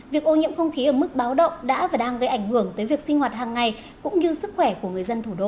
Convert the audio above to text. việc ô nhiễm không khí ở mức báo động đã và đang gây ảnh hưởng tới việc sinh hoạt hàng ngày cũng như sức khỏe của người dân thủ đô